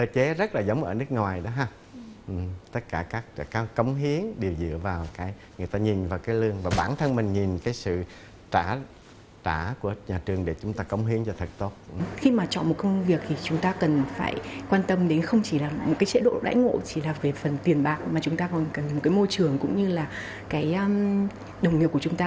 chỉ là về phần tiền bạc mà chúng ta còn cần một cái môi trường cũng như là cái đồng nghiệp của chúng ta